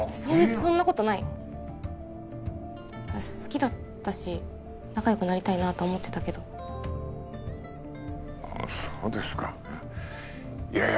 そんなことない好きだったし仲よくなりたいなと思ってたけどそうですかいやいや